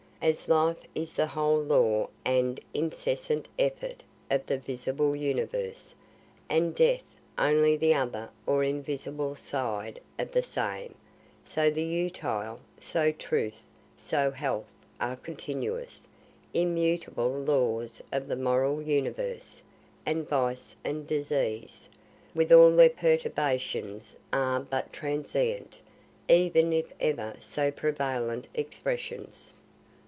As life is the whole law and incessant effort of the visible universe, and death only the other or invisible side of the same, so the utile, so truth, so health are the continuous immutable laws of the moral universe, and vice and disease, with all their perturbations, are but transient, even if ever so prevalent expressions.